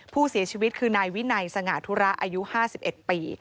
ผู้เสียชีวิตคือนายวินัยสง่าธุระอายุ๕๑ปี